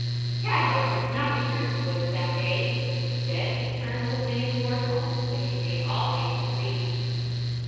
Tad, however, did not return to the woods that day. Instead, he turned old Jinny toward home, which he made all haste to reach.